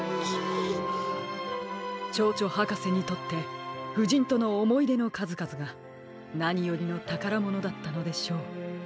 チョウチョはかせにとってふじんとのおもいでのかずかずがなによりのたからものだったのでしょう。